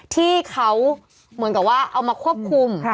ที่เขาเหมือนกับว่าเอามาควบคุม